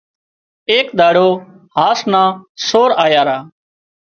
ايڪ ۮاڙو هاس نا سور آيا را